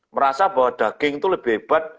merasa bahwa daging itu lebih hebat